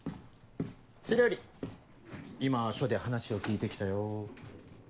それより今署で話を聞いて来たよ。